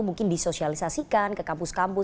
mungkin disosialisasikan ke kampus kampus